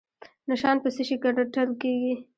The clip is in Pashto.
نشان په څه شي ګټل کیږي؟